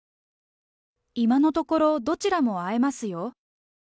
今のところ、どちらも会えますよ。